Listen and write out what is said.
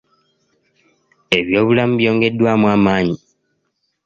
Ebyobulamu byongeddwamu amaanyi.